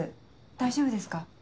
大丈夫ですか？